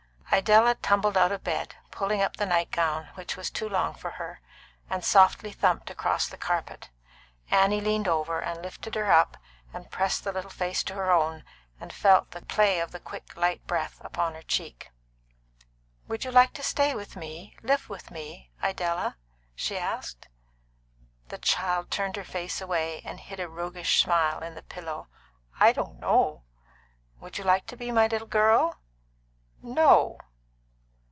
Idella tumbled out of bed, pulling up the nightgown, which was too long for her, and softly thumped across the carpet. Annie leaned over and lifted her up, and pressed the little face to her own, and felt the play of the quick, light breath over her cheek. "Would you like to stay with me live with me Idella?" she asked. The child turned her face away, and hid a roguish smile in the pillow. "I don't know." "Would you like to be my little girl?" "No."